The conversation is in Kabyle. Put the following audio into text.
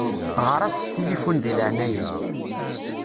Ɣeṛ-as s tilifun di leɛnaya-k.